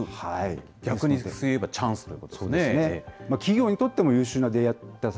逆にいえばチャンスということですよね。